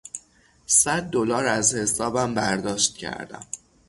صد دلار از حسابم برداشت کردم.